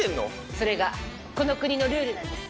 それがこの国のルールなんです。